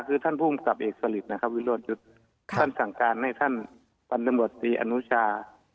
คือท่านภูมิกับเอกสริทธิ์นะครับวิโรชจุดครับท่านสั่งการให้ท่านปัจจันทรวจศรีอนุชา